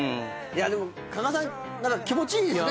でも加賀さん気持ちいいですね。